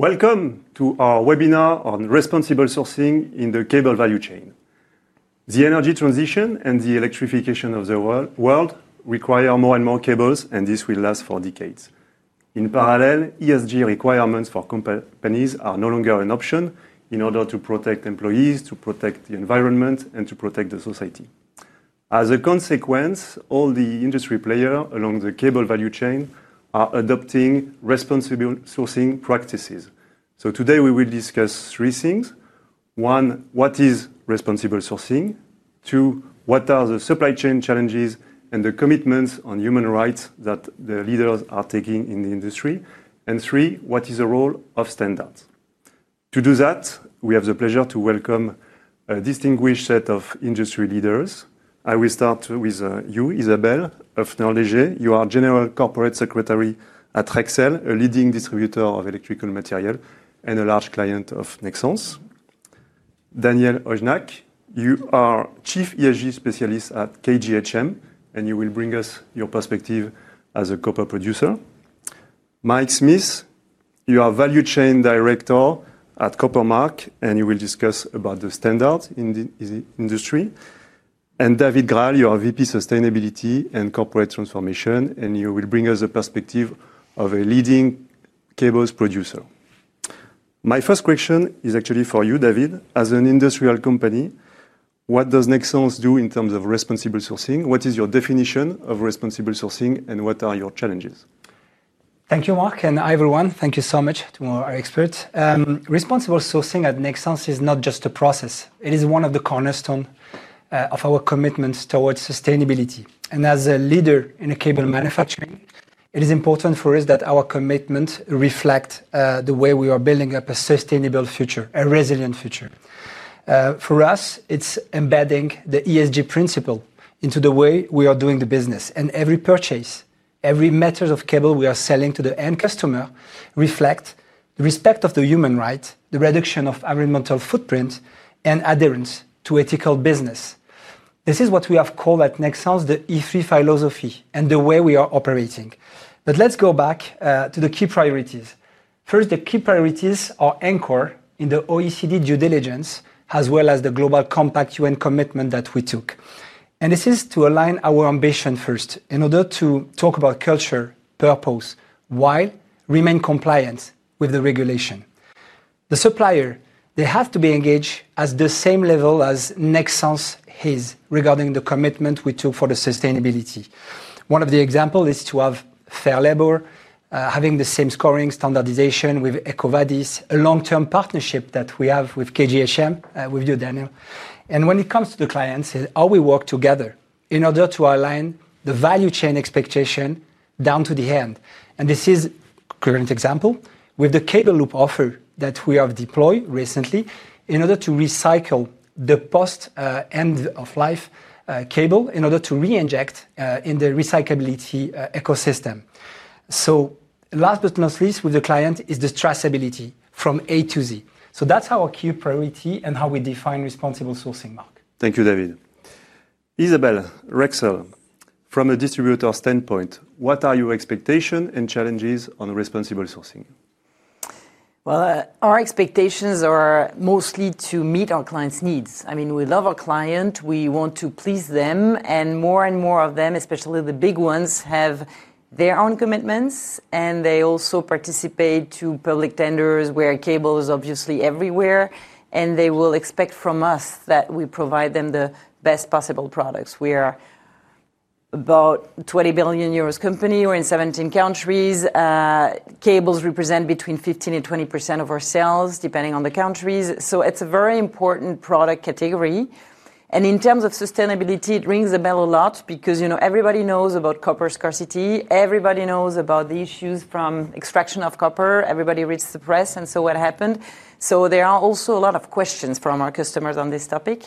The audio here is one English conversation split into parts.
Welcome to our webinar on responsible sourcing in the cable value chain. The energy transition and the electrification of the world require more and more cables, and this will last for decades. In parallel, ESG requirements for companies are no longer an option in order to protect employees, to protect the environment, and to protect the society. As a consequence, all the industry players along the cable value chain are adopting responsible sourcing practices. Today we will discuss three things. One, what is responsible sourcing? Two, what are the supply chain challenges and the commitments on human rights that the leaders are taking in the industry? Three, what is the role of standards? To do that, we have the pleasure to welcome a distinguished set of industry leaders. I will start with you, Isabelle Hoepfner-Léger. You are General Corporate Secretary at Rexel, a leading distributor of electrical materials and a large client of Nexans. Daniel Hojniak, you are Chief ESG Specialist at KGHM, and you will bring us your perspective as a copper producer. Mike Smith, you are Value Chain Director at Copper Mark, and you will discuss about the standards in the industry. David Grall, you are VP Sustainability and Corporate Transformation, and you will bring us the perspective of a leading cables producer. My first question is actually for you, David. As an industrial company, what does Nexans do in terms of responsible sourcing? What is your definition of responsible sourcing and what are your challenges? Thank you, Mark, and everyone. Thank you so much to our experts. Responsible sourcing at Nexans is not just a process. It is one of the cornerstones of our commitments towards sustainability. As a leader in cable manufacturing, it is important for us that our commitments reflect the way we are building up a sustainable future, a resilient future. For us, it's embedding the ESG principle into the way we are doing the business. Every purchase, every method of cable we are selling to the end customer reflects the respect of the human right, the reduction of environmental footprint, and adherence to ethical business. This is what we have called at Nexans the ESG philosophy and the way we are operating. Let's go back to the key priorities. First, the key priorities are anchored in the OECD due diligence, as well as the global compact UN commitment that we took. This is to align our ambition first in order to talk about culture, purpose, why, and remain compliant with the regulation. The supplier, they have to be engaged at the same level as Nexans is regarding the commitment we took for the sustainability. One of the examples is to have fair labor, having the same scoring standardization with EcoVadis, a long-term partnership that we have with KGHM, with you, Daniel. When it comes to the clients, how we work together in order to align the value chain expectation down to the end. This is a current example with the Cable Loop offer that we have deployed recently in order to recycle the post-end-of-life cable in order to reinject in the recyclability ecosystem. Last but not least, with the client is the traceability from A to Z. That's our key priority and how we define responsible sourcing, Mark. Thank you, David. Isabelle, Rexel, from a distributor standpoint, what are your expectations and challenges on responsible sourcing? Our expectations are mostly to meet our clients' needs. I mean, we love our clients. We want to please them. More and more of them, especially the big ones, have their own commitments. They also participate in public tenders where cable is obviously everywhere. They will expect from us that we provide them the best possible products. We are about 20 billion euros company. We're in 17 countries. Cables represent between 15%-20% of our sales, depending on the countries. It's a very important product category. In terms of sustainability, it rings a bell a lot because everybody knows about copper scarcity. Everybody knows about the issues from extraction of copper. Everybody reads the press and saw what happened. There are also a lot of questions from our customers on this topic.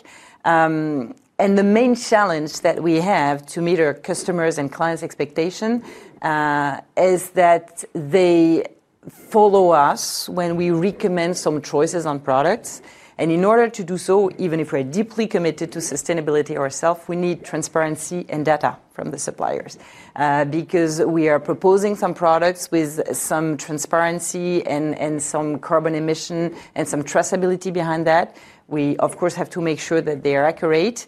The main challenge that we have to meet our customers' and clients' expectations is that they follow us when we recommend some choices on products. In order to do so, even if we are deeply committed to sustainability ourselves, we need transparency and data from the suppliers. Because we are proposing some products with some transparency and some carbon emission and some traceability behind that, we, of course, have to make sure that they are accurate.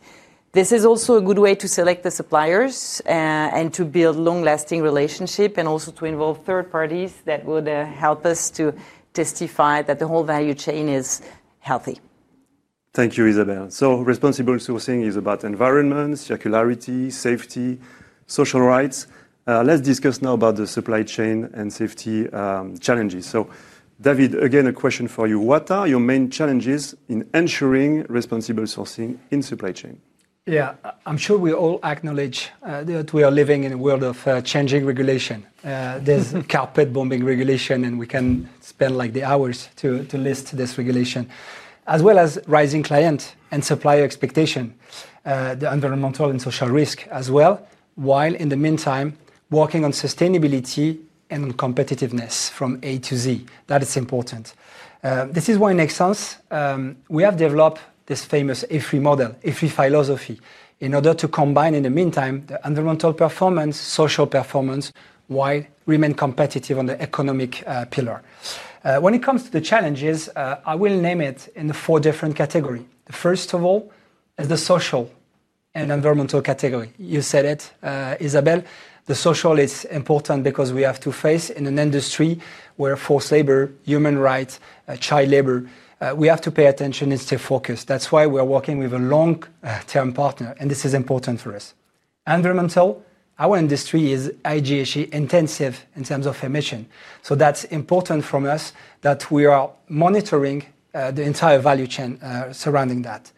This is also a good way to select the suppliers and to build a long-lasting relationship and also to involve third parties that would help us to testify that the whole value chain is healthy. Thank you, Isabelle. Responsible sourcing is about environment, circularity, safety, and social rights. Let's discuss now about the supply chain and safety challenges. David, again, a question for you. What are your main challenges in ensuring responsible sourcing in the supply chain? Yeah, I'm sure we all acknowledge that we are living in a world of changing regulation. There's carpet bombing regulation, and we can spend the hours to list this regulation, as well as rising client and supplier expectations, the environmental and social risk as well, while in the meantime working on sustainability and on competitiveness from A to Z. That is important. This is why Nexans, we have developed this famous EFRI model, EFRI philosophy, in order to combine in the meantime the environmental performance, social performance, while remaining competitive on the economic pillar. When it comes to the challenges, I will name it in four different categories. First of all, the social and environmental category. You said it, Isabelle. The social is important because we have to face in an industry where forced labor, human rights, child labor, we have to pay attention and stay focused. That's why we're working with a long-term partner, and this is important for us. Environmental, our industry is GHG intensive in terms of emissions. That's important for us that we are monitoring the entire value chain surrounding that.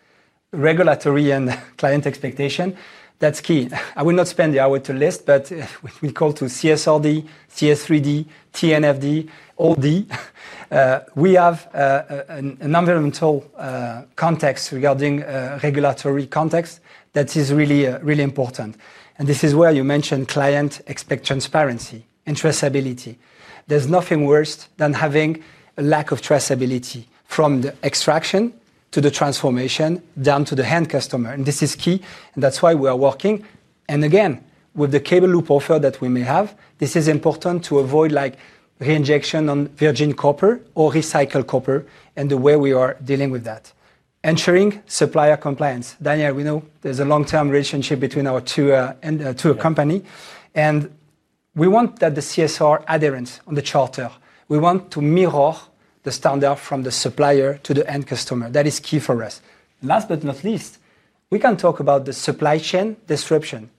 Regulatory and client expectation, that's key. I will not spend the hour to list, but we call it CSRD, CS3D, TNFD, ODD. We have an environmental context regarding regulatory context that is really, really important. This is where you mentioned clients expect transparency, and traceability. There's nothing worse than having a lack of traceability from the extraction to the transformation down to the end customer. This is key. That's why we are working. Again, with the Cable Loop offer that we may have, this is important to avoid reinjection on virgin copper or recycled copper and the way we are dealing with that. Ensuring supplier compliance. Daniel, we know there's a long-term relationship between our two companies. We want that the CSR adherence on the charter. We want to mirror the standard from the supplier to the end customer. That is key for us. Last but not least, we can talk about the supply chain disruption.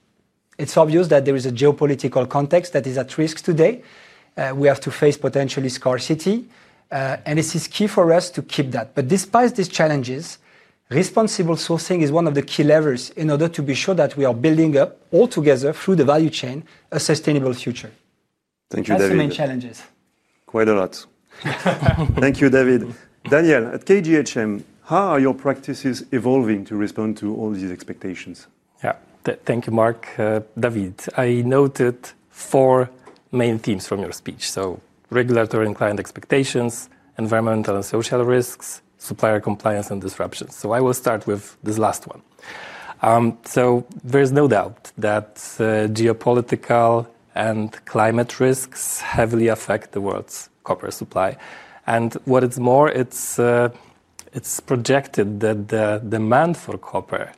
It's obvious that there is a geopolitical context that is at risk today. We have to face potentially scarcity. This is key for us to keep that. Despite these challenges, responsible sourcing is one of the key levers in order to be sure that we are building up all together through the value chain a sustainable future. Thank you, David. That's the main challenges. Quite a lot. Thank you, David. Daniel, at KGHM, how are your practices evolving to respond to all these expectations? Yeah, thank you, Mark. David, I noted four main themes from your speech: regulatory and client expectations, environmental and social risks, supplier compliance, and disruptions. I will start with this last one. There is no doubt that geopolitical and climate risks heavily affect the world's copper supply. What is more, it's projected that the demand for copper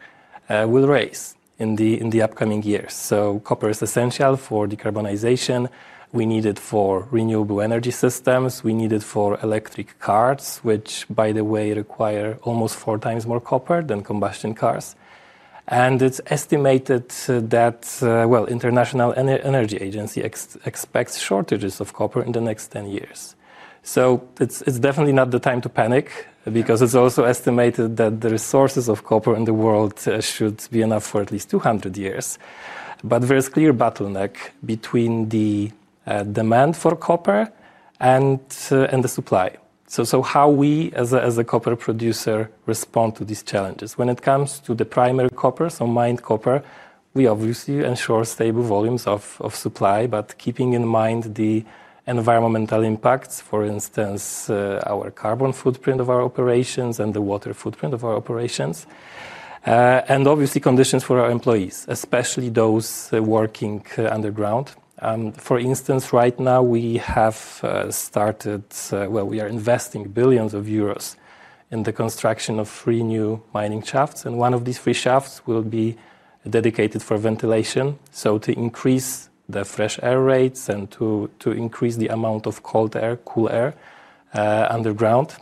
will rise in the upcoming years. Copper is essential for decarbonization. We need it for renewable energy systems. We need it for electric cars, which, by the way, require almost 4x more copper than combustion cars. It's estimated that the International Energy Agency expects shortages of copper in the next 10 years. It's definitely not the time to panic because it's also estimated that the resources of copper in the world should be enough for at least 200 years. There is a clear bottleneck between the demand for copper and the supply. How do we, as a copper producer, respond to these challenges? When it comes to the primary copper, so mined copper, we obviously ensure stable volumes of supply, but keeping in mind the environmental impacts, for instance, our carbon footprint of our operations and the water footprint of our operations, and obviously conditions for our employees, especially those working underground. For instance, right now, we are investing billions of euros in the construction of three new mining shafts. One of these three shafts will be dedicated for ventilation to increase the fresh air rates and to increase the amount of cool air underground.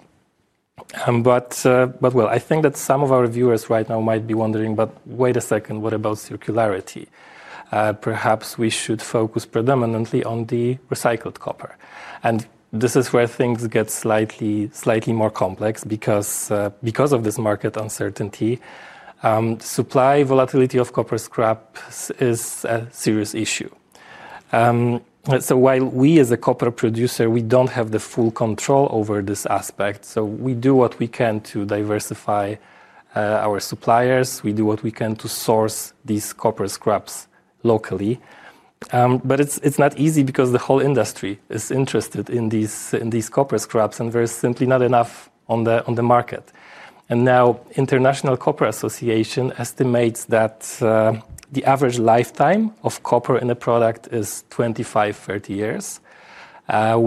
I think that some of our viewers right now might be wondering, wait a second, what about circularity? Perhaps we should focus predominantly on the recycled copper. This is where things get slightly more complex because of this market uncertainty. Supply volatility of copper scraps is a serious issue. While we, as a copper producer, don't have the full control over this aspect, we do what we can to diversify our suppliers. We do what we can to source these copper scraps locally. It's not easy because the whole industry is interested in these copper scraps, and there's simply not enough on the market. The International Copper Association estimates that the average lifetime of copper in a product is 25-30 years,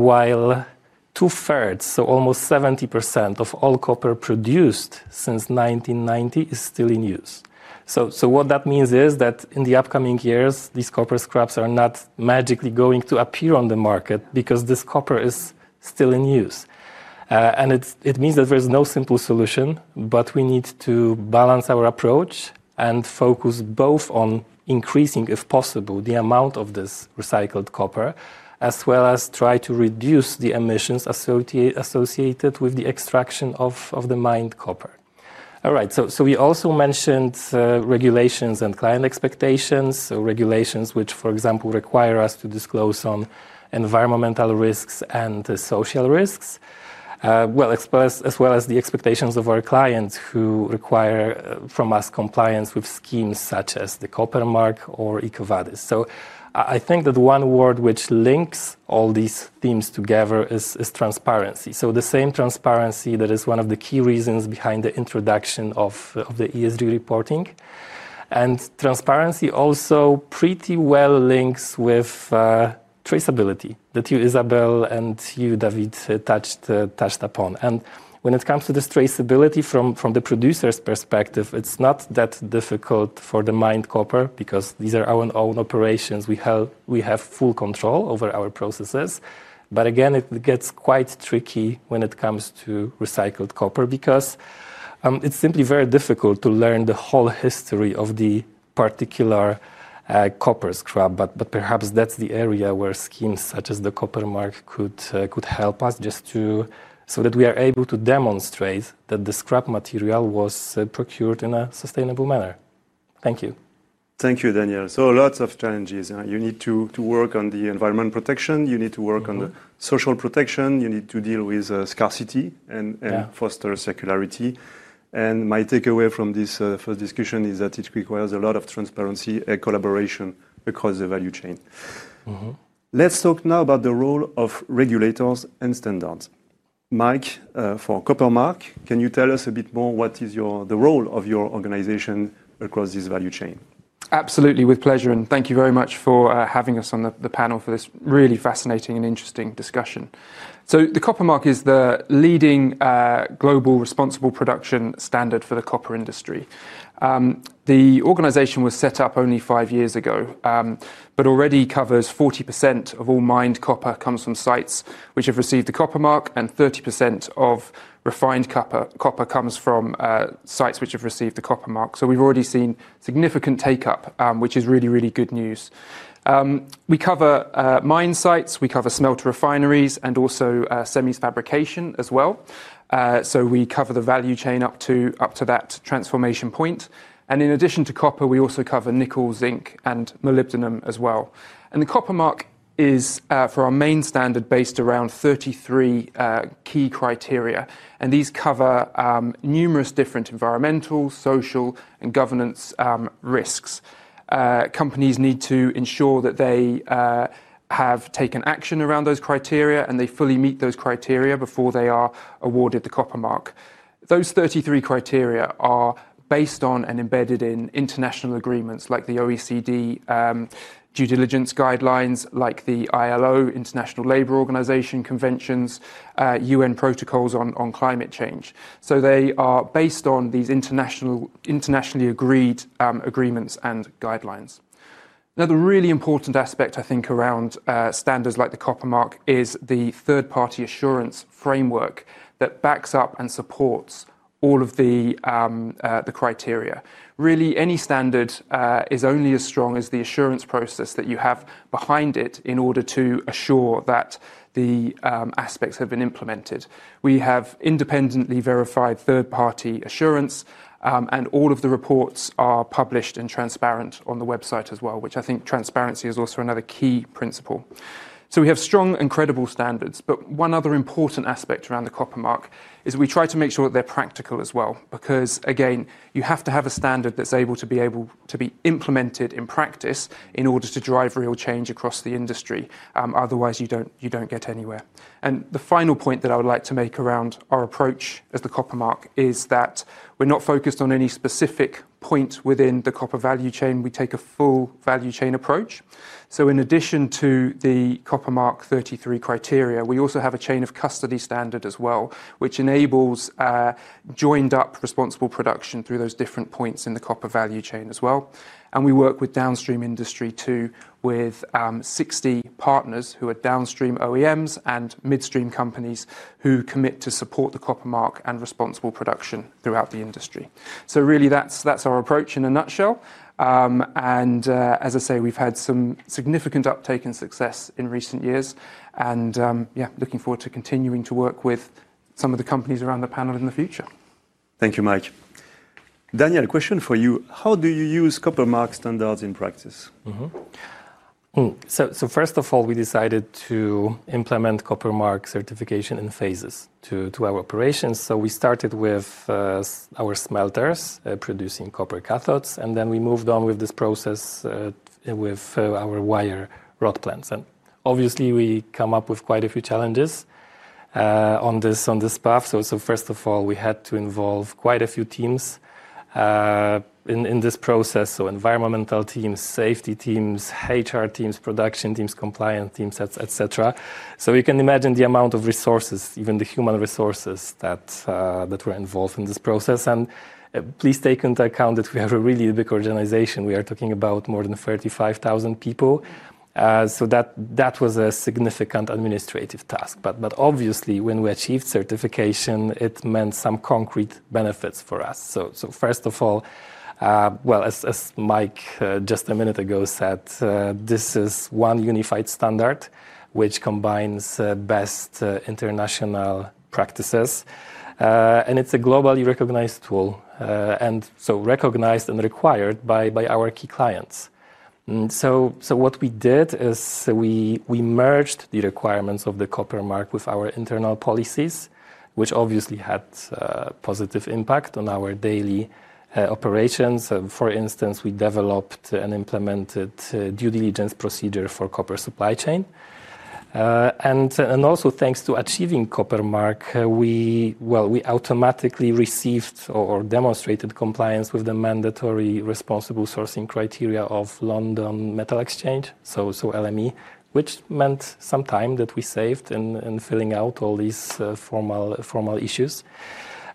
while 2/3, so almost 70% of all copper produced since 1990, is still in use. What that means is that in the upcoming years, these copper scraps are not magically going to appear on the market because this copper is still in use. It means that there's no simple solution, but we need to balance our approach and focus both on increasing, if possible, the amount of this recycled copper, as well as try to reduce the emissions associated with the extraction of the mined copper. We also mentioned regulations and client expectations, regulations which, for example, require us to disclose on environmental risks and social risks, as well as the expectations of our clients who require from us compliance with schemes such as The Copper Mark or EcoVadis. I think that one word which links all these themes together is transparency. The same transparency that is one of the key reasons behind the introduction of the ESG reporting. Transparency also pretty well links with traceability that you, Isabelle, and you, David, touched upon. When it comes to this traceability from the producer's perspective, it's not that difficult for the mined copper because these are our own operations. We have full control over our processes. It gets quite tricky when it comes to recycled copper because it's simply very difficult to learn the whole history of the particular copper scrap. Perhaps that's the area where schemes such as The Copper Mark could help us just so that we are able to demonstrate that the scrap material was procured in a sustainable manner. Thank you. Thank you, Daniel. Lots of challenges. You need to work on the environment protection. You need to work on the social protection. You need to deal with scarcity and foster circularity. My takeaway from this first discussion is that it requires a lot of transparency and collaboration across the value chain. Let's talk now about the role of regulators and standards. Mike, for Copper Mark, can you tell us a bit more what is the role of your organization across this value chain? Absolutely, with pleasure. Thank you very much for having us on the panel for this really fascinating and interesting discussion. The Copper Mark is the leading global responsible production standard for the copper industry. The organization was set up only five years ago, but already covers 40% of all mined copper coming from sites which have received The Copper Mark, and 30% of refined copper coming from sites which have received The Copper Mark. We've already seen significant take-up, which is really, really good news. We cover mine sites, we cover smelter refineries, and also semi-fabrication as well. We cover the value chain up to that transformation point. In addition to copper, we also cover nickel, zinc, and molybdenum as well. The Copper Mark is, for our main standard, based around 33 key criteria. These cover numerous different environmental, social, and governance risks. Companies need to ensure that they have taken action around those criteria and they fully meet those criteria before they are awarded The Copper Mark. Those 33 criteria are based on and embedded in international agreements like the OECD due diligence guidelines, like the ILO, International Labor Organization conventions, and UN protocols on climate change. They are based on these internationally agreed agreements and guidelines. The really important aspect around standards like The Copper Mark is the third-party assurance framework that backs up and supports all of the criteria. Any standard is only as strong as the assurance process that you have behind it in order to assure that the aspects have been implemented. We have independently verified third-party assurance, and all of the reports are published and transparent on the website as well, which I think transparency is also another key principle. We have strong and credible standards. One other important aspect around The Copper Mark is we try to make sure that they're practical as well because you have to have a standard that's able to be implemented in practice in order to drive real change across the industry. Otherwise, you don't get anywhere. The final point that I would like to make around our approach as The Copper Mark is that we're not focused on any specific point within the copper value chain. We take a full value chain approach. In addition to The Copper Mark 33 criteria, we also have a chain of custody standard as well, which enables joined-up responsible production through those different points in the copper value chain as well. We work with downstream industry too, with 60 partners who are downstream OEMs and midstream companies who commit to support The Copper Mark and responsible production throughout the industry. That's our approach in a nutshell. As I say, we've had some significant uptake in success in recent years. Looking forward to continuing to work with some of the companies around the panel in the future. Thank you, Mike. Daniel, a question for you. How do you use Copper Mark standards in practice? First of all, we decided to implement Copper Mark certification in phases to our operations. We started with our smelters producing copper cathodes, and then we moved on with this process with our wire rod plants. Obviously, we come up with quite a few challenges on this path. First of all, we had to involve quite a few teams in this process: environmental teams, safety teams, HR teams, production teams, compliance teams, et cetera. You can imagine the amount of resources, even the human resources, that were involved in this process. Please take into account that we have a really big organization. We are talking about more than 35,000 people. That was a significant administrative task. Obviously, when we achieved certification, it meant some concrete benefits for us. As Mike just a minute ago said, this is one unified standard which combines best international practices. It's a globally recognized tool, and so recognized and required by our key clients. What we did is we merged the requirements of The Copper Mark with our internal policies, which obviously had a positive impact on our daily operations. For instance, we developed and implemented a due diligence procedure for copper supply chain. Also, thanks to achieving Copper Mark, we automatically received or demonstrated compliance with the mandatory responsible sourcing criteria of London Metal Exchange, so LME, which meant some time that we saved in filling out all these formal issues.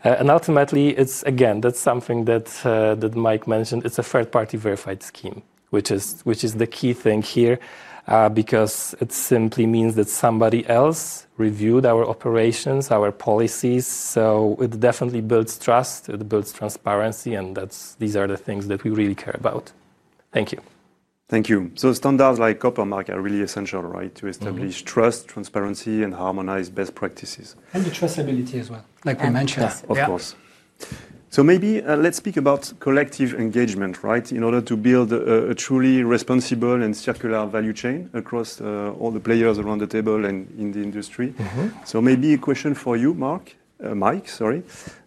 Ultimately, that's something that Mike mentioned. It's a third-party verified scheme, which is the key thing here because it simply means that somebody else reviewed our operations, our policies. It definitely builds trust. It builds transparency. These are the things that we really care about. Thank you. Thank you. Standards like Copper Mark are really essential, right, to establish trust, transparency, and harmonize best practices. Traceability as well, like we mentioned. Yes, of course. Maybe let's speak about collective engagement, right, in order to build a truly responsible and circular value chain across all the players around the table and in the industry. Maybe a question for you, Mike.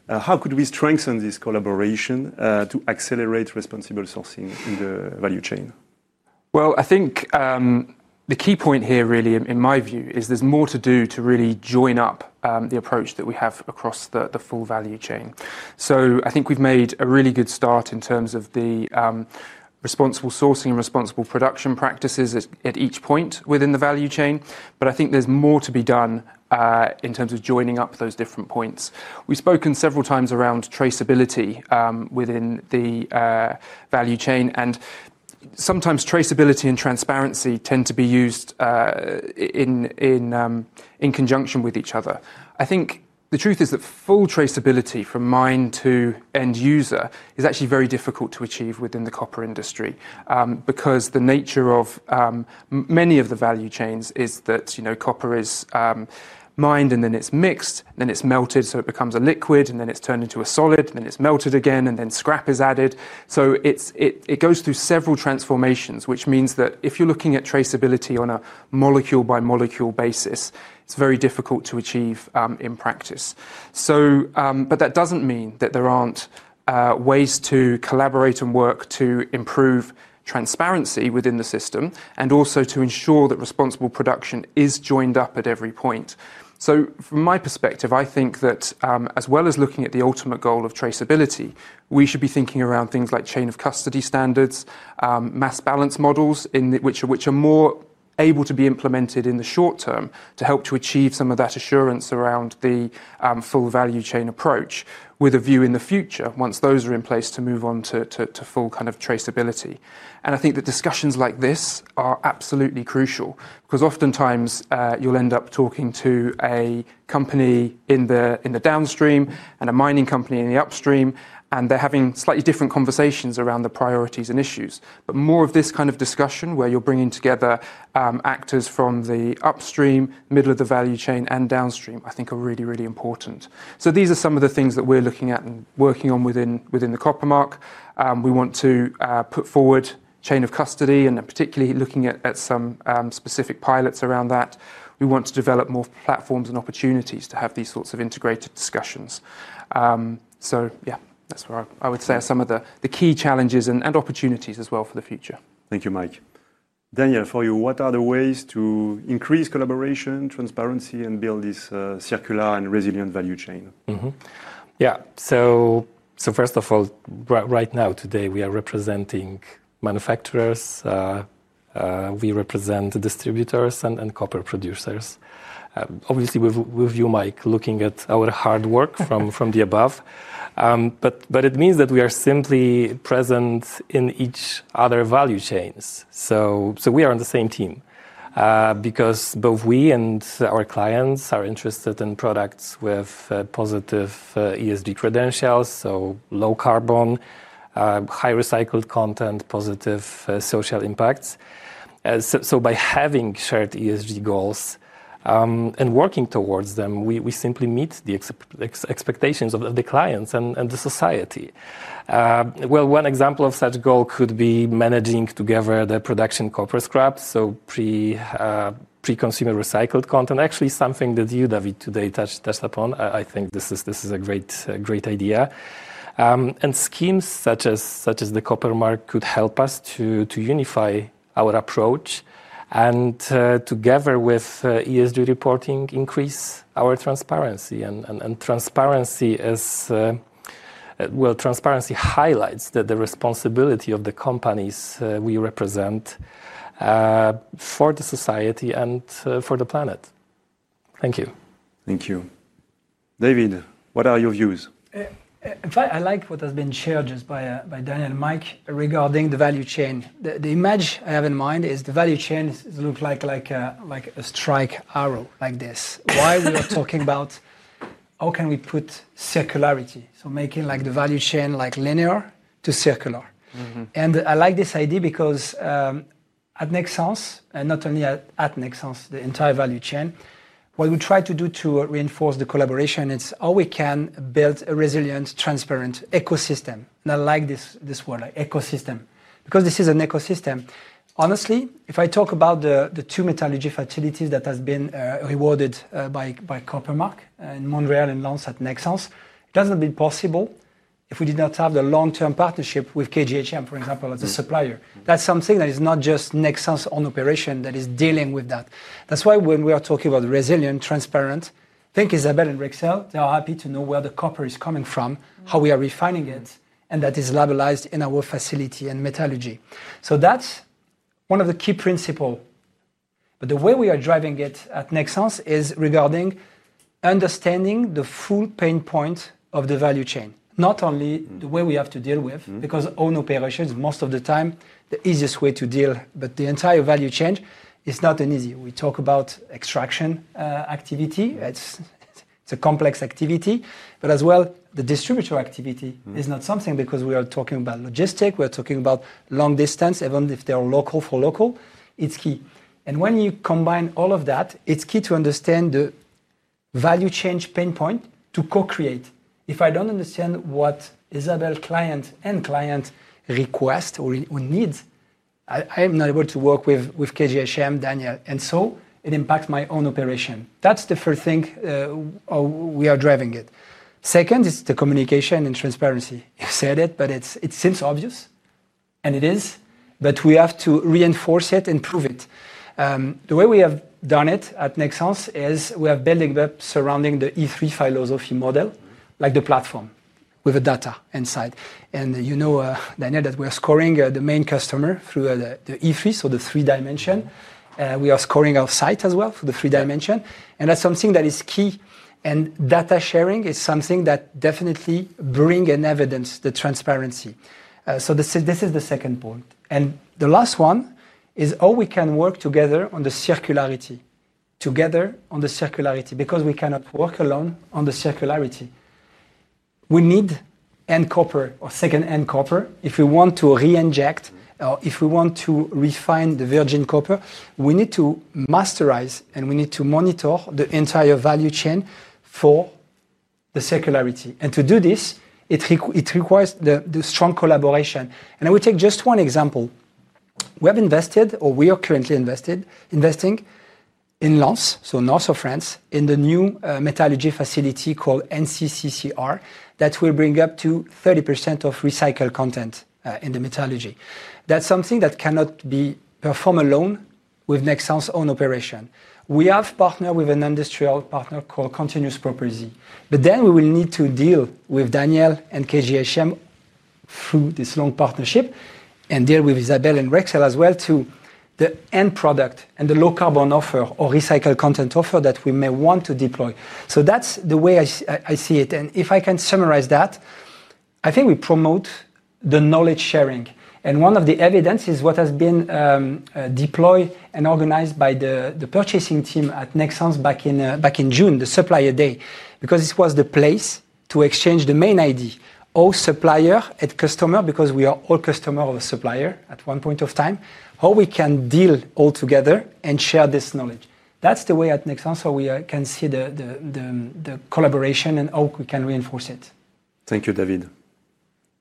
How could we strengthen this collaboration to accelerate responsible sourcing in the value chain? I think the key point here, really, in my view, is there's more to do to really join up the approach that we have across the full value chain. I think we've made a really good start in terms of the responsible sourcing and responsible production practices at each point within the value chain. I think there's more to be done in terms of joining up those different points. We've spoken several times around traceability within the value chain, and sometimes traceability and transparency tend to be used in conjunction with each other. I think the truth is that full traceability from mine to end user is actually very difficult to achieve within the copper industry because the nature of many of the value chains is that copper is mined, and then it's mixed, and then it's melted, so it becomes a liquid, and then it's turned into a solid, and then it's melted again, and then scrap is added. It goes through several transformations, which means that if you're looking at traceability on a molecule-by-molecule basis, it's very difficult to achieve in practice. That doesn't mean that there aren't ways to collaborate and work to improve transparency within the system and also to ensure that responsible production is joined up at every point. From my perspective, I think that as well as looking at the ultimate goal of traceability, we should be thinking around things like chain of custody standards, mass balance models, which are more able to be implemented in the short term to help to achieve some of that assurance around the full value chain approach with a view in the future, once those are in place, to move on to full kind of traceability. I think that discussions like this are absolutely crucial because oftentimes you'll end up talking to a company in the downstream and a mining company in the upstream, and they're having slightly different conversations around the priorities and issues. More of this kind of discussion where you're bringing together actors from the upstream, middle of the value chain, and downstream, I think, are really, really important. These are some of the things that we're looking at and working on within The Copper Mark. We want to put forward chain of custody and particularly looking at some specific pilots around that. We want to develop more platforms and opportunities to have these sorts of integrated discussions. That's where I would say some of the key challenges and opportunities as well for the future. Thank you, Mike. Daniel, for you, what are the ways to increase collaboration, transparency, and build this circular and resilient value chain? Yeah, so first of all, right now, today, we are representing manufacturers. We represent distributors and copper producers. Obviously, with you, Mike, looking at our hard work from the above. It means that we are simply present in each other's value chains. We are on the same team because both we and our clients are interested in products with positive ESG credentials, so low carbon, high recycled content, positive social impacts. By having shared ESG goals and working towards them, we simply meet the expectations of the clients and the society. One example of such a goal could be managing together the production copper scraps, so pre-consumer recycled content, actually something that you, David, today touched upon. I think this is a great idea. Schemes such as The Copper Mark could help us to unify our approach and together with ESG reporting increase our transparency. Transparency highlights the responsibility of the companies we represent for the society and for the planet. Thank you. Thank you. David, what are your views? In fact, I like what has been shared just by Daniel and Mike regarding the value chain. The image I have in mind is the value chain looks like a straight arrow like this. Why we are talking about how can we put circularity? Making the value chain linear to circular. I like this idea because at Nexans, and not only at Nexans, the entire value chain, what we try to do to reinforce the collaboration is how we can build a resilient, transparent ecosystem. I like this word, ecosystem, because this is an ecosystem. Honestly, if I talk about the two metallurgy facilities that have been rewarded by Copper Mark in Montreal and Lens at Nexans, that's not been possible if we did not have the long-term partnership with KGHM, for example, as a supplier. That's something that is not just Nexans on operation that is dealing with that. That is why when we are talking about resilient, transparent, think Isabelle and Rexel, they are happy to know where the copper is coming from, how we are refining it, and that is labelized in our facility and metallurgy. That's one of the key principles. The way we are driving it at Nexans is regarding understanding the full pain point of the value chain, not only the way we have to deal with because own operations, most of the time, the easiest way to deal, but the entire value chain is not easy. We talk about extraction activity. It's a complex activity. As well, the distributor activity is not something because we are talking about logistics. We are talking about long distance, even if they are local for local. It's key. When you combine all of that, it's key to understand the value chain's pain point to co-create. If I don't understand what Isabelle's client and client's request or needs, I am not able to work with KGHM, Daniel. It impacts my own operation. That's the first thing we are driving at. Second, it's the communication and transparency. You said it, but it seems obvious. It is, but we have to reinforce it and prove it. The way we have done it at Nexans is we are building up surrounding the E3 philosophy model, like the platform with the data inside. You know, Daniel, that we are scoring the main customer through the E3, so the three-dimension. We are scoring our sites as well for the three-dimension. That's something that is key. Data sharing is something that definitely brings in evidence the transparency. This is the second point. The last one is how we can work together on the circularity, together on the circularity, because we cannot work alone on the circularity. We need end copper or second end copper if we want to reinject or if we want to refine the virgin copper. We need to masterize and we need to monitor the entire value chain for the circularity. To do this, it requires strong collaboration. I will take just one example. We have invested, or we are currently investing, in Lens, north of France, in the new metallurgy facility called NCCCR that will bring up to 30% of recycled content in the metallurgy. That's something that cannot be performed alone with Nexans' own operation. We have partnered with an industrial partner called Continuous Property. We will need to deal with Daniel and KGHM through this long partnership and deal with Isabelle and Rexel as well to the end product and the low carbon offer or recycled content offer that we may want to deploy. That's the way I see it. If I can summarize that, I think we promote the knowledge sharing. One of the evidences is what has been deployed and organized by the purchasing team at Nexans back in June, the supplier day, because it was the place to exchange the main ID, all supplier and customer, because we are all customers of a supplier at one point of time, how we can deal all together and share this knowledge. That's the way at Nexans we can see the collaboration and how we can reinforce it. Thank you, David.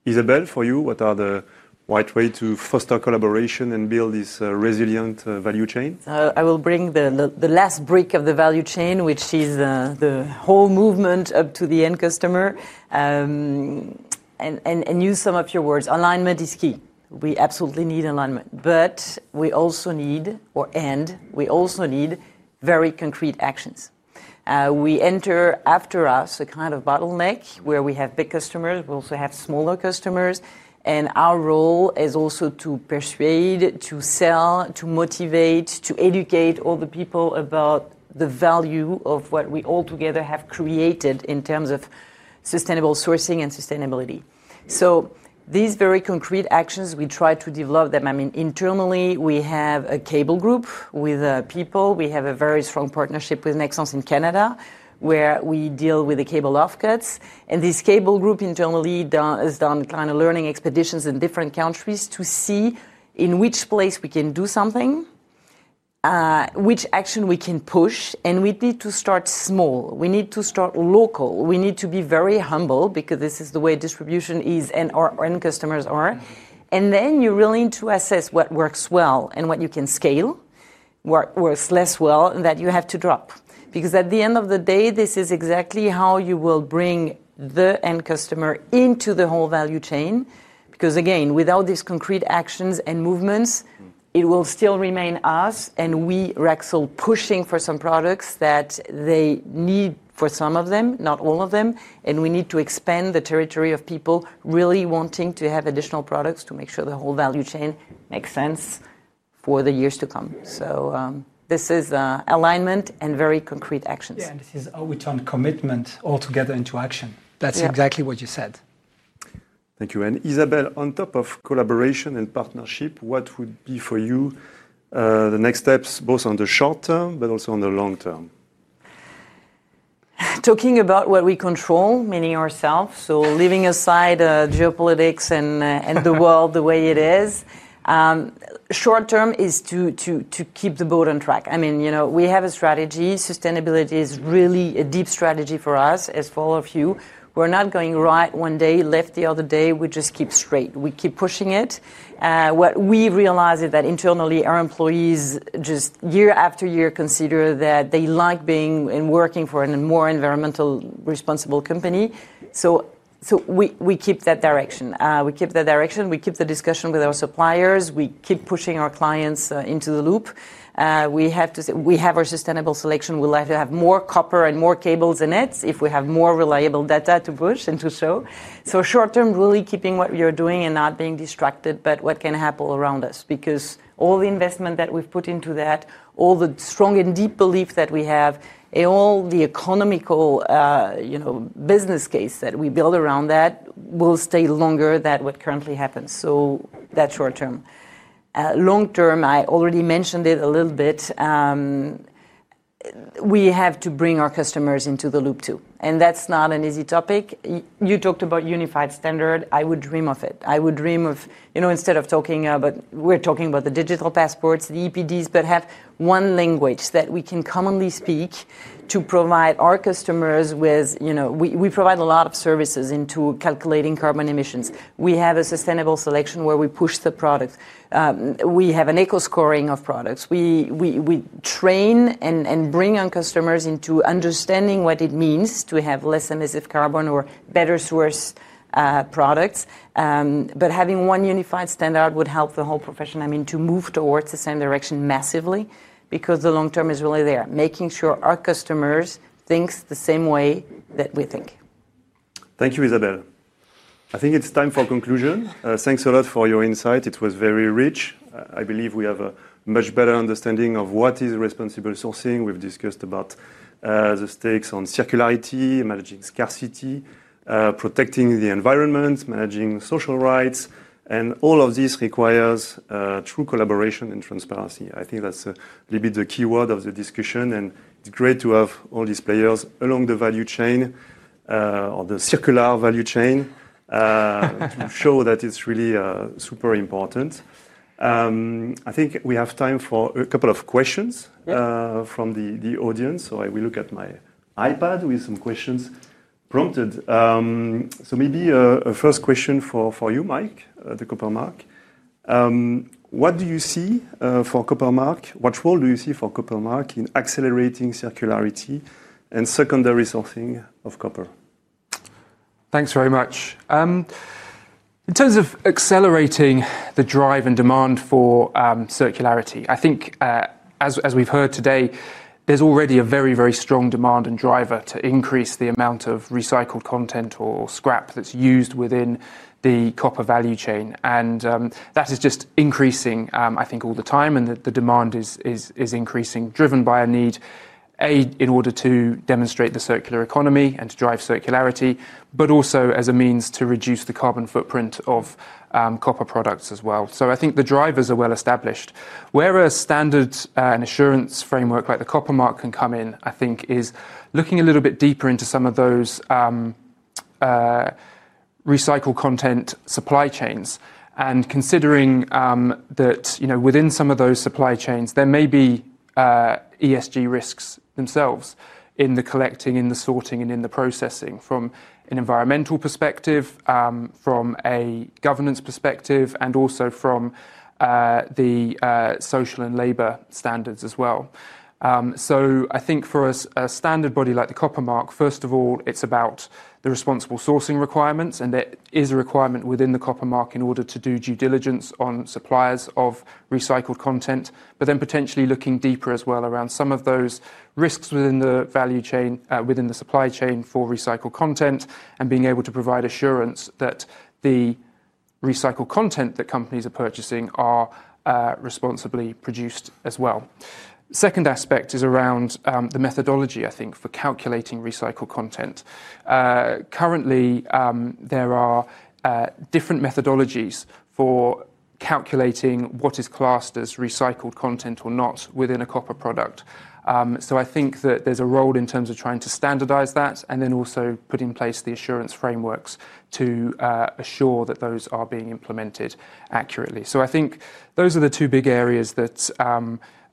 Isabelle, for you, what are the right ways to foster collaboration and build this resilient value chain? I will bring the last brick of the value chain, which is the whole movement up to the end customer. Use some of your words. Alignment is key. We absolutely need alignment. We also need, or we also need very concrete actions. We enter after us a kind of bottleneck where we have big customers. We also have smaller customers. Our role is also to persuade, to sell, to motivate, to educate all the people about the value of what we all together have created in terms of sustainable sourcing and sustainability. These very concrete actions, we try to develop them. Internally, we have a cable group with people. We have a very strong partnership with Nexans in Canada, where we deal with the cable offcuts. This cable group internally has done kind of learning expeditions in different countries to see in which place we can do something, which action we can push. We need to start small. We need to start local. We need to be very humble because this is the way distribution is and our end customers are. You really need to assess what works well and what you can scale, what works less well, and that you have to drop. At the end of the day, this is exactly how you will bring the end customer into the whole value chain. Without these concrete actions and movements, it will still remain us and we, Rexel, pushing for some products that they need for some of them, not all of them. We need to expand the territory of people really wanting to have additional products to make sure the whole value chain makes sense for the years to come. This is alignment and very concrete actions. Yes, this is how we turn commitment altogether into action. That's exactly what you said. Thank you. Isabelle, on top of collaboration and partnership, what would be for you the next steps, both on the short term and also on the long term? Talking about what we control, meaning ourselves, leaving aside geopolitics and the world the way it is, short term is to keep the boat on track. I mean, you know we have a strategy. Sustainability is really a deep strategy for us, as for all of you. We're not going right one day, left the other day. We just keep straight. We keep pushing it. What we realize is that internally, our employees just year after year consider that they like being and working for a more environmentally responsible company. We keep that direction. We keep that direction. We keep the discussion with our suppliers. We keep pushing our clients into the loop. We have to say we have our sustainable selection. We'll have to have more copper and more cables in it if we have more reliable data to push and to show. Short term, really keeping what we are doing and not being distracted by what can happen around us. All the investment that we've put into that, all the strong and deep belief that we have, and all the economical business case that we build around that will stay longer than what currently happens. That's short term. Long term, I already mentioned it a little bit, we have to bring our customers into the loop too. That's not an easy topic. You talked about a unified standard. I would dream of it. I would dream of, you know, instead of talking about, we're talking about the digital passports, the EPDs, but have one language that we can commonly speak to provide our customers with, you know, we provide a lot of services into calculating carbon emissions. We have a sustainable selection where we push the product. We have an eco-scoring of products. We train and bring our customers into understanding what it means to have less emissive carbon or better source products. Having one unified standard would help the whole profession, I mean, to move towards the same direction massively because the long term is really there, making sure our customers think the same way that we think. Thank you, Isabelle. I think it's time for conclusion. Thanks a lot for your insight. It was very rich. I believe we have a much better understanding of what is responsible sourcing. We've discussed the stakes on circularity, managing scarcity, protecting the environment, managing social rights. All of this requires true collaboration and transparency. I think that's a little bit the key word of the discussion. It's great to have all these players along the value chain or the circular value chain to show that it's really super important. I think we have time for a couple of questions from the audience. I will look at my iPad with some questions prompted. Maybe a first question for you, Mike, at The Copper Mark. What do you see for Copper Mark? What role do you see for Copper Mark in accelerating circularity and secondary sourcing of copper? Thanks very much. In terms of accelerating the drive and demand for circularity, I think, as we've heard today, there's already a very, very strong demand and driver to increase the amount of recycled content or scrap that's used within the copper value chain. That is just increasing, I think, all the time. The demand is increasing, driven by a need, A, in order to demonstrate the circular economy and to drive circularity, but also as a means to reduce the carbon footprint of copper products as well. I think the drivers are well established. Where a standard and assurance framework like The Copper Mark can come in, I think, is looking a little bit deeper into some of those recycled content supply chains and considering that within some of those supply chains, there may be ESG risks themselves in the collecting, in the sorting, and in the processing from an environmental perspective, from a governance perspective, and also from the social and labor standards as well. I think for a standard body like The Copper Mark, first of all, it's about the responsible sourcing requirements. There is a requirement within The Copper Mark in order to do due diligence on suppliers of recycled content, but then potentially looking deeper as well around some of those risks within the value chain, within the supply chain for recycled content, and being able to provide assurance that the recycled content that companies are purchasing is responsibly produced as well. The second aspect is around the methodology, I think, for calculating recycled content. Currently, there are different methodologies for calculating what is classed as recycled content or not within a copper product. I think that there's a role in terms of trying to standardize that and then also put in place the assurance frameworks to assure that those are being implemented accurately. I think those are the two big areas that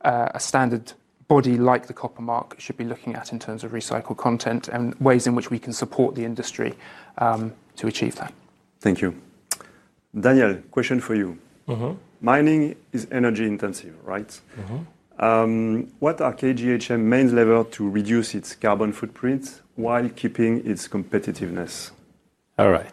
a standard body like The Copper Mark should be looking at in terms of recycled content and ways in which we can support the industry to achieve that. Thank you. Daniel, question for you. Mining is energy intensive, right? What are KGHM's main levers to reduce its carbon footprint while keeping its competitiveness? All right.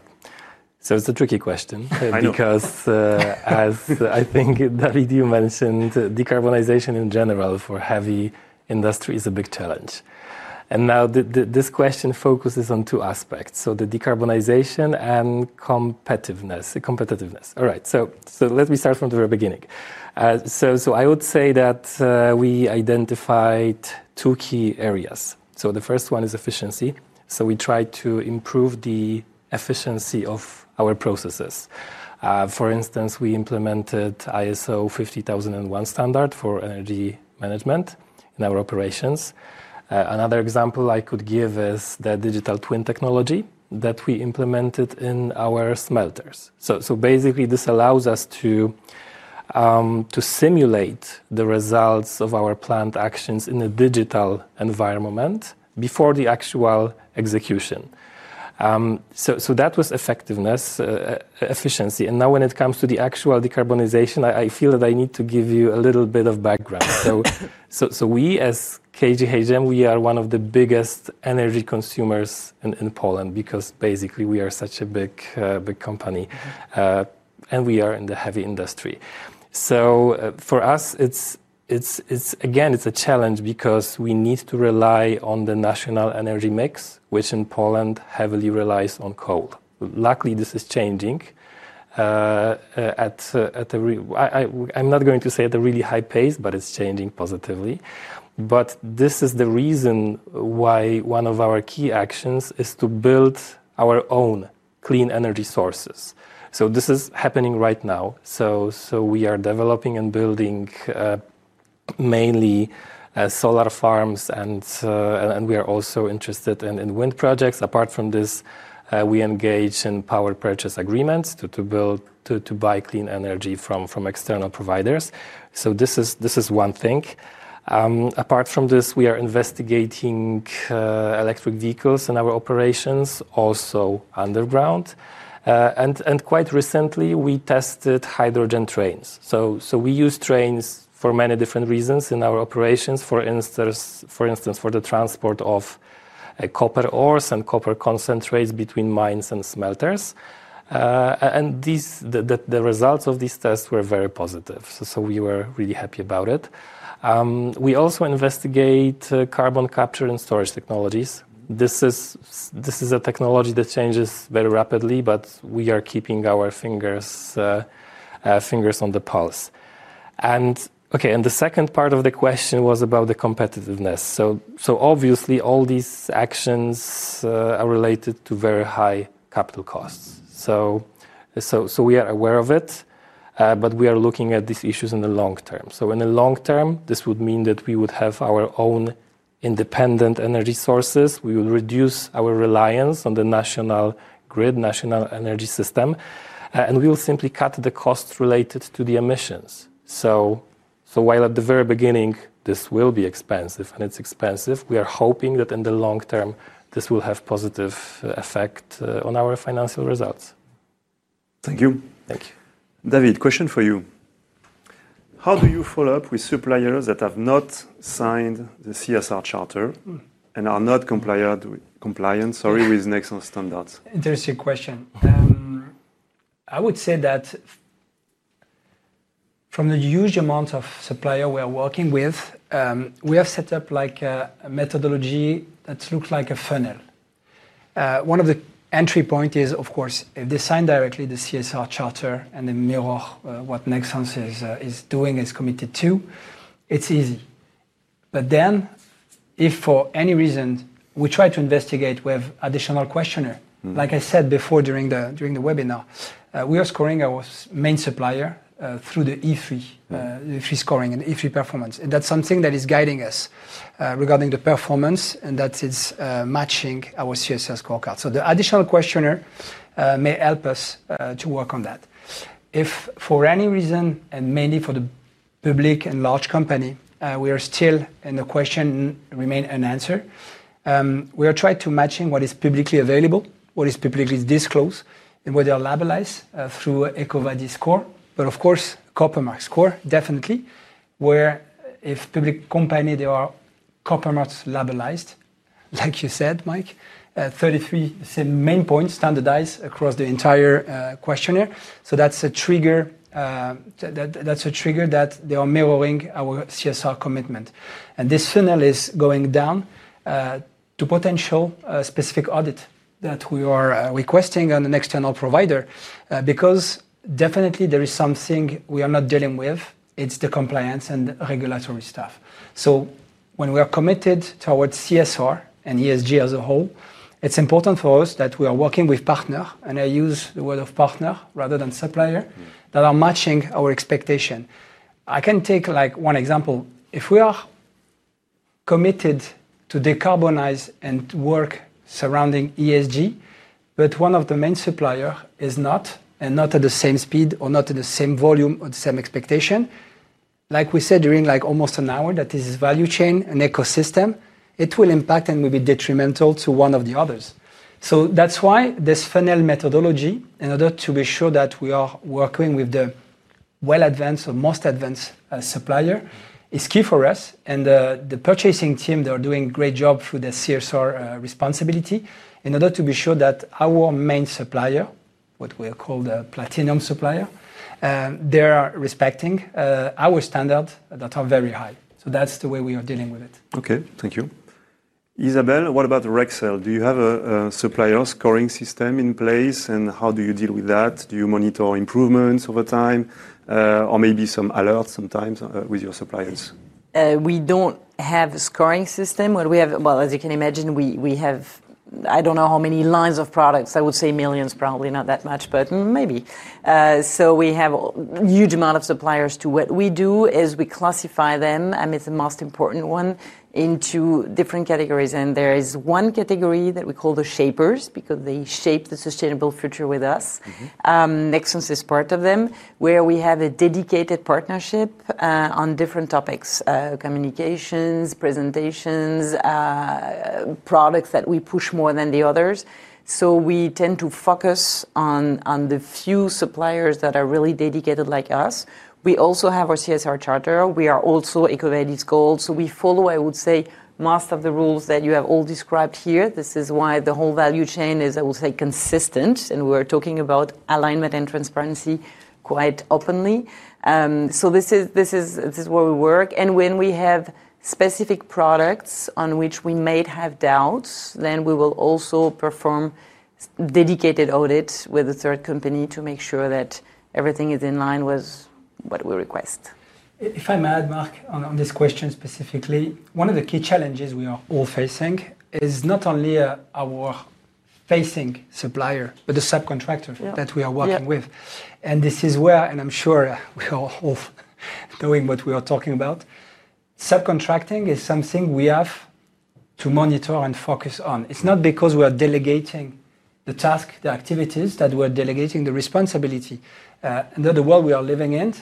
It's a tricky question because, as I think, David, you mentioned, decarbonization in general for heavy industry is a big challenge. This question focuses on two aspects: decarbonization and competitiveness. Let me start from the very beginning. I would say that we identified two key areas. The first one is efficiency. We try to improve the efficiency of our processes. For instance, we implemented ISO 50001 standard for energy management in our operations. Another example I could give is the digital twin technology that we implemented in our smelters. This allows us to simulate the results of our plant actions in a digital environment before the actual execution. That was efficiency. When it comes to the actual decarbonization, I feel that I need to give you a little bit of background. We, as KGHM, are one of the biggest energy consumers in Poland because we are such a big company and we are in the heavy industry. For us, it's a challenge because we need to rely on the national energy mix, which in Poland heavily relies on coal. Luckily, this is changing. I'm not going to say at a really high pace, but it's changing positively. This is the reason why one of our key actions is to build our own clean energy sources. This is happening right now. We are developing and building mainly solar farms, and we are also interested in wind projects. Apart from this, we engage in power purchase agreements to buy clean energy from external providers. This is one thing. Apart from this, we are investigating electric vehicles in our operations, also underground. Quite recently, we tested hydrogen trains. We use trains for many different reasons in our operations, for instance, for the transport of copper ores and copper concentrates between mines and smelters. The results of these tests were very positive. We were really happy about it. We also investigate carbon capture and storage technologies. This is a technology that changes very rapidly, but we are keeping our fingers on the pulse. The second part of the question was about the competitiveness. Obviously, all these actions are related to very high capital costs. We are aware of it, but we are looking at these issues in the long term. In the long term, this would mean that we would have our own independent energy sources. We would reduce our reliance on the national grid, national energy system. We will simply cut the costs related to the emissions. While at the very beginning, this will be expensive and it's expensive, we are hoping that in the long term, this will have a positive effect on our financial results. Thank you. Thank you. David, question for you. How do you follow up with suppliers that have not signed the CSR charter and are not compliant with Nexans standards? Interesting question. I would say that from the huge amount of suppliers we are working with, we have set up a methodology that looks like a funnel. One of the entry points is, of course, if they sign directly the CSR charter and they mirror what Nexans is doing, is committed to, it's easy. If for any reason we try to investigate, we have additional questionnaires. Like I said before, during the webinar, we are scoring our main supplier through the E3 scoring and E3 performance. That's something that is guiding us regarding the performance, and that is matching our CSR scorecard. The additional questionnaire may help us to work on that. If for any reason, and mainly for the public and large company, the question remains unanswered, we are trying to match what is publicly available, what is publicly disclosed, and what they are labeled through EcoVadis score. Of course, Copper Mark score definitely, where if a public company, there are Copper Mark labeled, like you said, Mike, 33 main points standardized across the entire questionnaire. That's a trigger that they are mirroring our CSR commitment. This funnel is going down to potential specific audits that we are requesting on an external provider because definitely there is something we are not dealing with. It's the compliance and regulatory stuff. When we are committed towards CSR and ESG as a whole, it's important for us that we are working with partners, and I use the word partner rather than supplier, that are matching our expectation. I can take one example. If we are committed to decarbonize and work surrounding ESG, but one of the main suppliers is not, and not at the same speed or not at the same volume or the same expectation, like we said during almost an hour, that this is value chain and ecosystem, it will impact and will be detrimental to one of the others. That's why this funnel methodology, in order to be sure that we are working with the well-advanced or most advanced supplier, is key for us. The purchasing team, they are doing a great job through the CSR responsibility in order to be sure that our main supplier, what we call the platinum supplier, they are respecting our standards that are very high. That's the way we are dealing with it. OK. Thank you. Isabelle, what about Rexel? Do you have a supplier scoring system in place? How do you deal with that? Do you monitor improvements over time or maybe some alerts sometimes with your suppliers? We don't have a scoring system. As you can imagine, we have, I don't know how many lines of products. I would say millions, probably not that much, but maybe. We have a huge amount of suppliers. What we do is we classify them, and it's the most important one, into different categories. There is one category that we call the shapers because they shape the sustainable future with us. Nexans is part of them, where we have a dedicated partnership on different topics, communications, presentations, products that we push more than the others. We tend to focus on the few suppliers that are really dedicated like us. We also have our CSR charter. We are also EcoVadis gold. We follow, I would say, most of the rules that you have all described here. This is why the whole value chain is, I would say, consistent. We're talking about alignment and transparency quite openly. This is where we work. When we have specific products on which we might have doubts, then we will also perform dedicated audits with a third company to make sure that everything is in line with what we request. If I may add, Mark, on this question specifically, one of the key challenges we are all facing is not only our facing supplier, but the subcontractor that we are working with. This is where, and I'm sure we are all knowing what we are talking about, subcontracting is something we have to monitor and focus on. It's not because we are delegating the task, the activities, that we're delegating the responsibility. The world we are living in,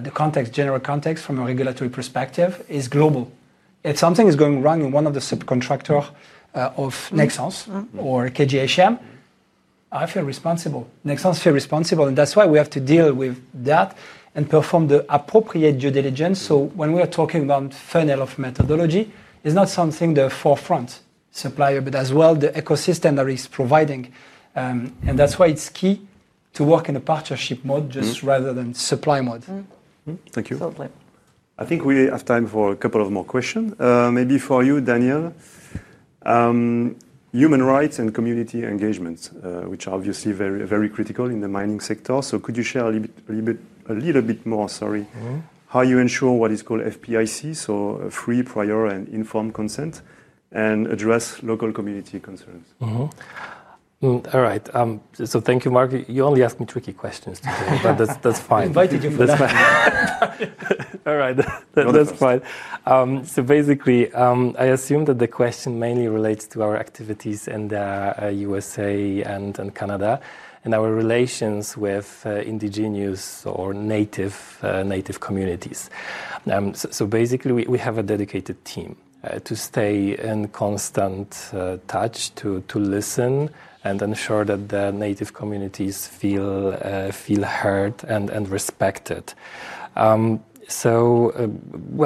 the context, general context from a regulatory perspective, is global. If something is going wrong in one of the subcontractors of Nexans or KGHM, I feel responsible. Nexans feels responsible. That's why we have to deal with that and perform the appropriate due diligence. When we are talking about funnel of methodology, it's not something the forefront supplier, but as well the ecosystem that is providing. That's why it's key to work in a partnership mode just rather than supply mode. Thank you. Totally. I think we have time for a couple more questions. Maybe for you, Daniel. Human rights and community engagement, which are obviously very, very critical in the mining sector. Could you share a little bit more, how you ensure what is called FPIC, so free, prior, and informed consent, and address local community concerns? All right. Thank you, Mark. You only asked me tricky questions today, but that's fine. I invited you for that. All right. That's fine. Basically, I assume that the question mainly relates to our activities in the U.S. and Canada and our relations with indigenous or native communities. We have a dedicated team to stay in constant touch, to listen, and ensure that the native communities feel heard and respected.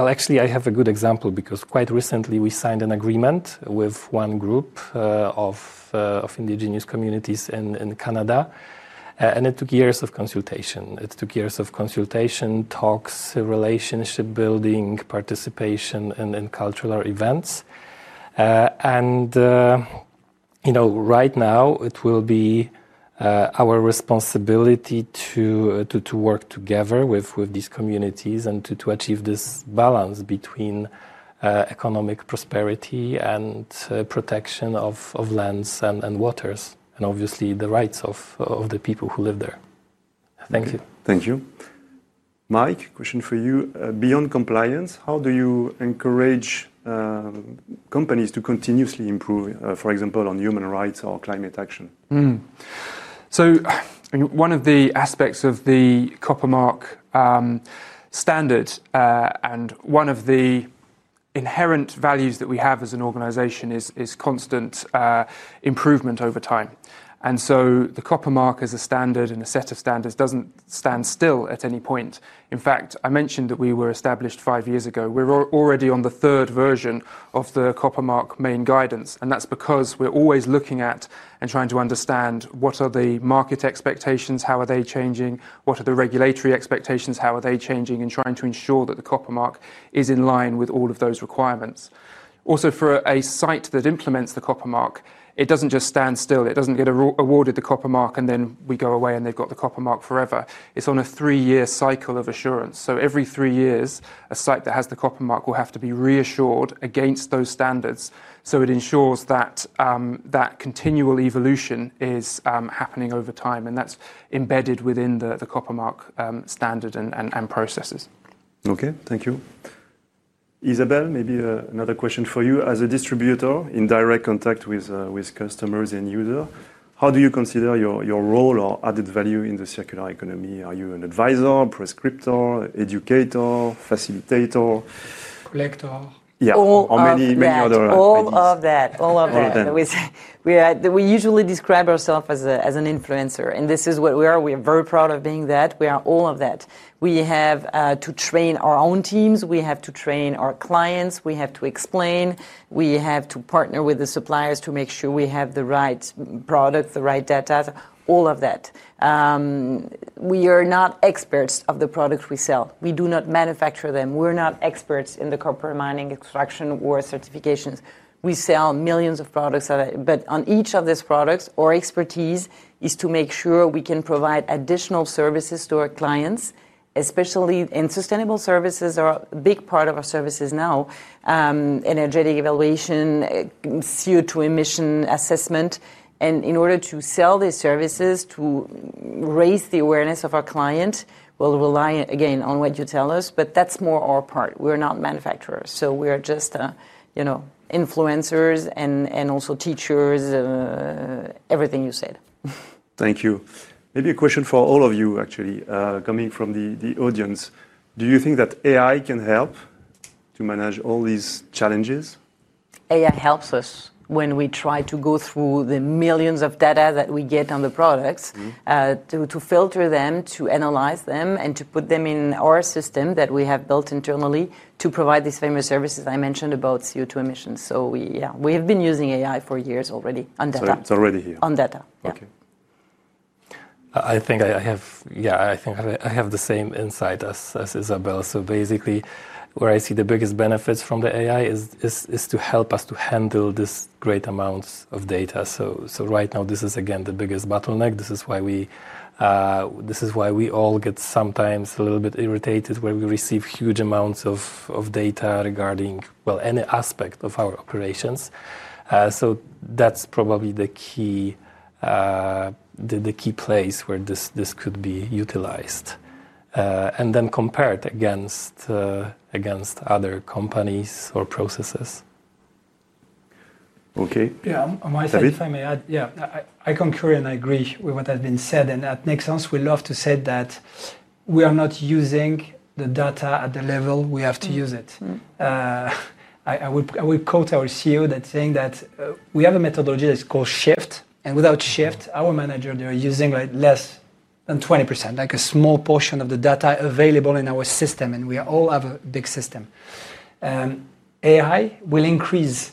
Actually, I have a good example because quite recently, we signed an agreement with one group of indigenous communities in Canada. It took years of consultation, talks, relationship building, participation, and cultural events. Right now, it will be our responsibility to work together with these communities and to achieve this balance between economic prosperity and protection of lands and waters, and obviously, the rights of the people who live there. Thank you. Thank you. Mike, question for you. Beyond compliance, how do you encourage companies to continuously improve, for example, on human rights or climate action? One of the aspects of The Copper Mark standard and one of the inherent values that we have as an organization is constant improvement over time. The Copper Mark as a standard and a set of standards doesn't stand still at any point. In fact, I mentioned that we were established five years ago. We're already on the third version of The Copper Mark main guidance, and that's because we're always looking at and trying to understand what are the market expectations, how are they changing, what are the regulatory expectations, how are they changing, and trying to ensure that The Copper Mark is in line with all of those requirements. Also, for a site that implements The Copper Mark, it doesn't just stand still. It doesn't get awarded The Copper Mark, and then we go away and they've got The Copper Mark forever. It's on a three-year cycle of assurance. Every three years, a site that has The Copper Mark will have to be reassured against those standards. It ensures that continual evolution is happening over time, and that's embedded within the Copper Mark standard and processes. OK. Thank you. Isabelle, maybe another question for you. As a distributor in direct contact with customers and users, how do you consider your role or added value in the circular economy? Are you an advisor, prescriptor, educator, facilitator? Lector. Yeah, or many other roles. All of that. We usually describe ourselves as an influencer, and this is what we are. We are very proud of being that. We are all of that. We have to train our own teams, we have to train our clients, we have to explain, we have to partner with the suppliers to make sure we have the right product, the right data, all of that. We are not experts of the products we sell. We do not manufacture them. We're not experts in the copper mining extraction or certifications. We sell millions of products, but on each of these products, our expertise is to make sure we can provide additional services to our clients, especially in sustainable services, or a big part of our services now, energetic evaluation, CO2 emission assessment. In order to sell these services, to raise the awareness of our clients, we'll rely again on what you tell us. That's more our part. We're not manufacturers. We are just influencers and also teachers, everything you said. Thank you. Maybe a question for all of you, actually, coming from the audience. Do you think that AI can help to manage all these challenges? AI helps us when we try to go through the millions of data that we get on the products, to filter them, to analyze them, and to put them in our system that we have built internally to provide these famous services I mentioned about CO2 emissions. We have been using AI for years already on data. It is already here. On data. OK. I think I have the same insight as Isabelle. Basically, where I see the biggest benefits from AI is to help us handle this great amount of data. Right now, this is the biggest bottleneck. This is why we all get sometimes a little bit irritated when we receive huge amounts of data regarding any aspect of our operations. That's probably the key place where this could be utilized, and then compared against other companies or processes. OK. On my side, if I may add, I concur and I agree with what has been said. At Nexans, we love to say that we are not using the data at the level we have to use it. I would quote our CEO that's saying that we have a methodology that's called Shift. Without Shift, our managers are using less than 20%, like a small portion of the data available in our system. We all have a big system. AI will increase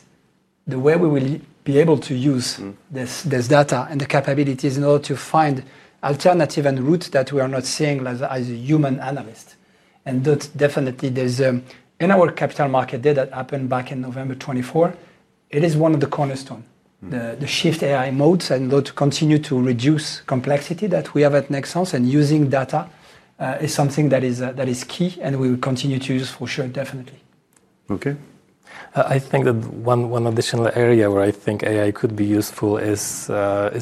the way we will be able to use this data and the capabilities in order to find alternative routes that we are not seeing as a human analyst. Definitely, in our capital market data that happened back in November 2024, it is one of the cornerstones, the Shift AI modes. We will continue to reduce the complexity that we have at Nexans. Using data is something that is key, and we will continue to use for sure, definitely. OK. I think that one additional area where I think AI could be useful is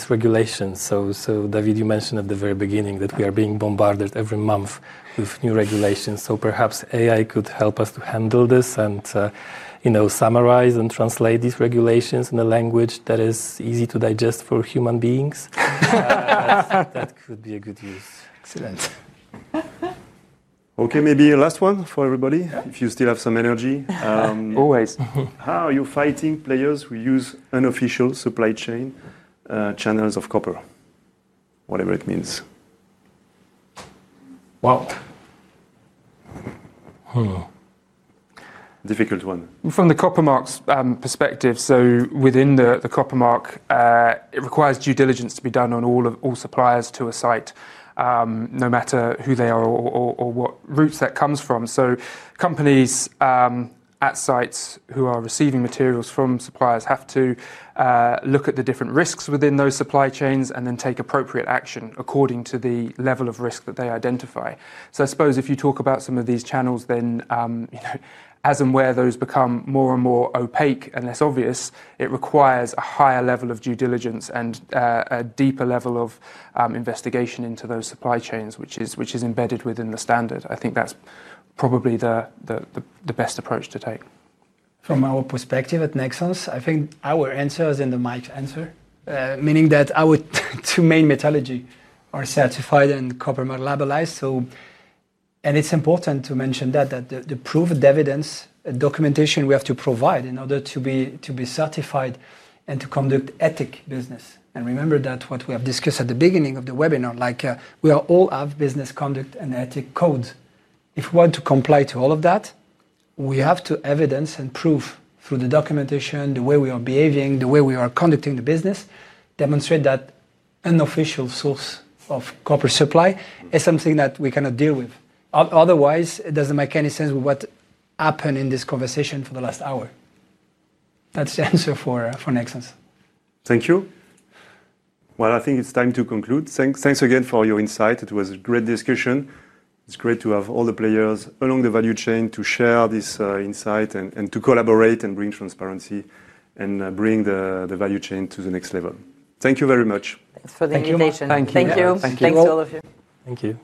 regulations. David, you mentioned at the very beginning that we are being bombarded every month with new regulations. Perhaps AI could help us to handle this and summarize and translate these regulations in a language that is easy to digest for human beings. That could be a good use. Excellent. OK, maybe a last one for everybody, if you still have some energy. Always. How are you fighting players who use unofficial supply chain channels of copper, whatever it means? Wow. Difficult one. From The Copper Mark's perspective, within The Copper Mark, it requires due diligence to be done on all suppliers to a site, no matter who they are or what routes that comes from. Companies at sites who are receiving materials from suppliers have to look at the different risks within those supply chains and then take appropriate action according to the level of risk that they identify. If you talk about some of these channels, as and where those become more and more opaque and less obvious, it requires a higher level of due diligence and a deeper level of investigation into those supply chains, which is embedded within the standard. I think that's probably the best approach to take. From our perspective at Nexans, I think our answer is in Mike's answer, meaning that our two main metallurgy are certified and Copper Mark labelized. It's important to mention that the proof of evidence, the documentation we have to provide in order to be certified and to conduct ethic business. Remember that what we have discussed at the beginning of the webinar, like we all have business conduct and ethic codes. If we want to comply to all of that, we have to evidence and prove through the documentation, the way we are behaving, the way we are conducting the business, demonstrate that unofficial source of copper supply is something that we cannot deal with. Otherwise, it doesn't make any sense what happened in this conversation for the last hour. That's the answer for Nexans. Thank you. I think it's time to conclude. Thanks again for your insight. It was a great discussion. It's great to have all the players along the value chain to share this insight and to collaborate and bring transparency and bring the value chain to the next level. Thank you very much. Thanks for the invitation. Thank you. Thank you. Thanks to all of you. Thank you.